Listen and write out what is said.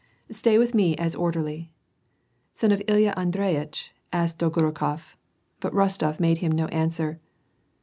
Stay with me as orderly." " Son of Ilya Andreyitch ?" asked Dolgorukof . But Rostof made him no answer.